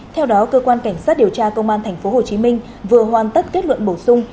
theo đó cơ quan cảnh sát điều tra công an tp hcm vừa hoàn tất kết luận bổ sung